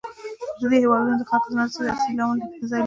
د دې هېوادونو د خلکو د نا رضایتۍ اصلي لامل بېوزلي ده.